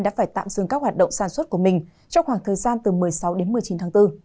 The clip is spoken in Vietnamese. đã phải tạm dừng các hoạt động sản xuất của mình trong khoảng thời gian từ một mươi sáu đến một mươi chín tháng bốn